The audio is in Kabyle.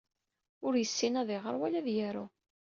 Ur yessin ad iɣer wala ad yaru.